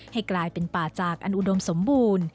ให้กลายเป็นป่าจากอันอุดมสมบูรณ์